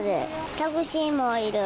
タクシーもいる。